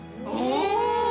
お！